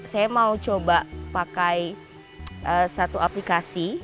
saya mau coba pakai satu aplikasi